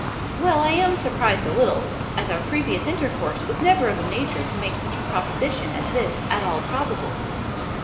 "Well; I am surprised a little, as our previous intercourse was never of a nature to make such a proposition as this at all probable."